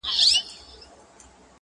د زړه له درده شاعري کوومه ښه کوومه,